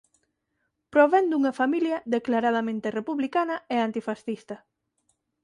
Provén dunha familia declaradamente republicana e antifascista.